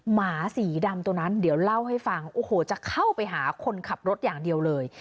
หมาสีดำตัวนั้นเดี๋ยวเล่าให้ฟังโอ้โหจะเข้าไปหาคนขับรถอย่างเดียวเลย